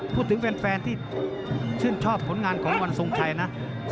พูดถึงแฟนที่ชื่นชอบผลงานของวันทรงไทยนะ